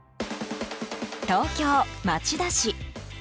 東京・町田市。